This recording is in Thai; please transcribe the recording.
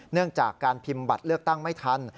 เนื่องจากการพิมพ์บัตรเลือกตั้งไม่ทัน